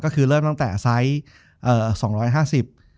ก็คือเริ่มตั้งแต่ไซส์๒๕๐๓๐๐๓๕๐